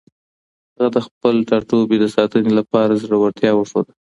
هغه د خپل ټاټوبي د ساتنې لپاره زړورتیا وښوده.